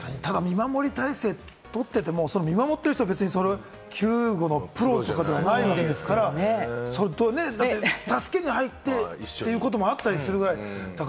見守り体制とっていても、見守ってる人は救護のプロじゃないわけですから、助けに入ってということもあったりするぐらい。